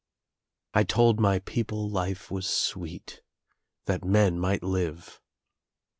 I told my people life was sweet, that men might live.